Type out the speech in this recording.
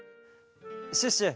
シュッシュ